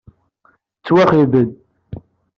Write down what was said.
Ttwaxeyyben.